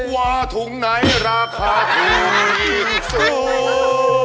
ว่าถุงไหนราคาคืออีกสุด